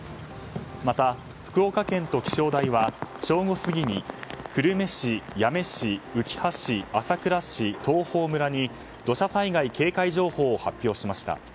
また、福岡県と気象台は正午過ぎに久留米市、八女市、うきは市朝倉市、東峰村に土砂災害警戒情報を発表しました。